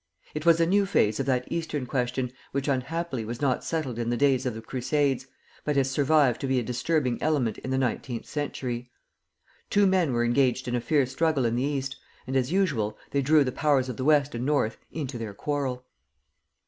It was a new phase of that Eastern Question which unhappily was not settled in the days of the Crusades, but has survived to be a disturbing element in the nineteenth century. Two men were engaged in a fierce struggle in the East, and, as usual, they drew the Powers of the West and North into their quarrel.